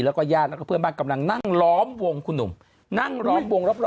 แล้วก็ญาติแล้วก็เพื่อนบ้านกำลังนั่งล้อมวงคุณหนุ่มนั่งล้อมวงรอบ